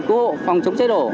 cứu hộ phòng chống cháy đổ